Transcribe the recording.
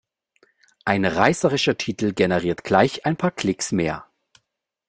Ein reißerischer Titel generiert gleich ein paar Klicks mehr.